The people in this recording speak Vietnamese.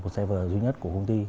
một server duy nhất của công ty